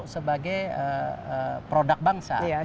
sebagai produk yang lebih berharga